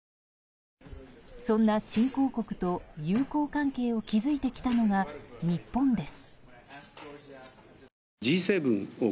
そんな新興国と友好関係を築いてきたのが日本です。